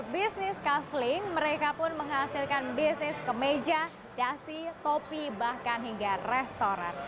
bisnis cufflink mereka pun menghasilkan bisnis ke meja dasi topi bahkan hingga restoran